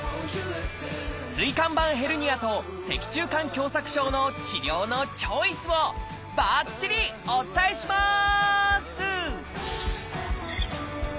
椎間板ヘルニアと脊柱管狭窄症の治療のチョイスをばっちりお伝えします！